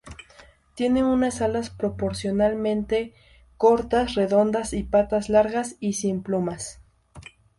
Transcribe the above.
Tienen unas alas proporcionalmente cortas, redondeadas, y patas largas y sin plumas.